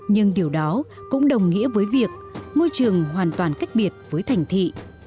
nhưng điều đó cũng đồng nghĩa với việc môi trường hoàn toàn cách biệt với thành thị